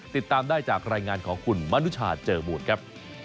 ติดตามได้จากรายงานของคุณมนุชาเจอมูลครับ